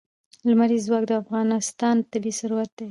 لمریز ځواک د افغانستان طبعي ثروت دی.